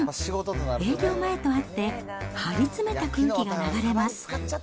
営業前とあって、張り詰めた空気が流れます。